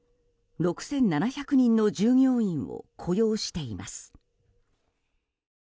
６７００人の従業員を雇用しています。